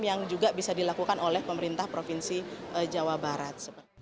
yang juga bisa dilakukan oleh pemerintah provinsi jawa barat